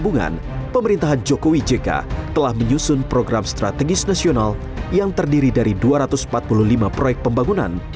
perhubungan pemerintahan jokowi jk telah menyusun program strategis nasional yang terdiri dari dua ratus empat puluh lima proyek pembangunan